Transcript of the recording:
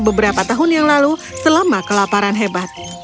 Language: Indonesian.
beberapa tahun yang lalu selama kelaparan hebat